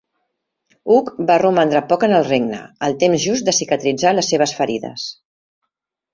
Hug va romandre poc en el regne, el temps just de cicatritzar les seves ferides.